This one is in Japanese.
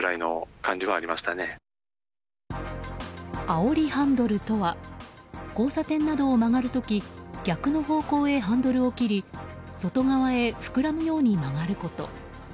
あおりハンドルとは交差点などを曲がる時逆の方向へハンドルを切り外側へ膨らむように曲がること。